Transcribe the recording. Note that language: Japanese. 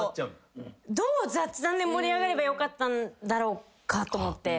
どう雑談で盛り上がればよかったんだろうかと思って。